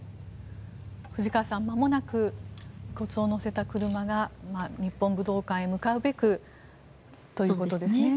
藤川さん、まもなく遺骨を乗せた車が日本武道館へ向かうべくということですね。